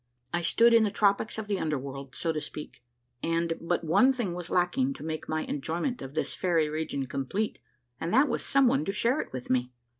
I stood in the tropics of the under world, so to speak ; and but one thing was lacking to make my enjoyment of this fairy region complete, and that was some one to share it with me.